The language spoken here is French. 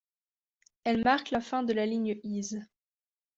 Elle marque la fin de la ligne Ise.